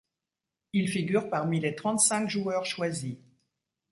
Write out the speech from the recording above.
Il figure parmi les trente cinq joueurs choisis.